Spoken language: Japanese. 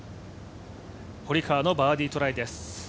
堀川のバーディートライです。